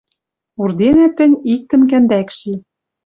Урденӓт тӹнь иктӹм кӓндӓкш и